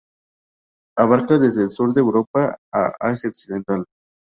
Abarca desde el sur de Europa a Asia occidental.